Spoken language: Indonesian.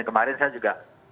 kemarin saya juga